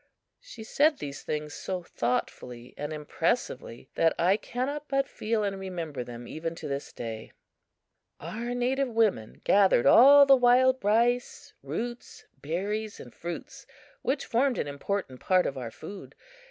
She said these things so thoughtfully and impressively that I cannot but feel and remember them even to this day. Our native women gathered all the wild rice, roots, berries and fruits which formed an important part of our food.